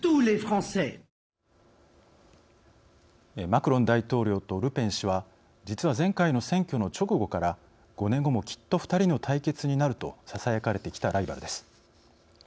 マクロン大統領とルペン氏は実は前回の選挙の直後から「５年後もきっと２人の対決になる」とささやかれてきたライバルです。